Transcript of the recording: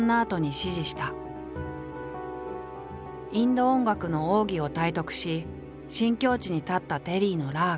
インド音楽の奥義を体得し新境地に立ったテリーのラーガ。